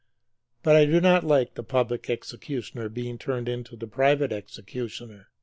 But I do not like the public executioner being turned into the private executioner.